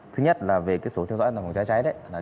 thứ nhất là về số thiếu sót phòng cháy chữa cháy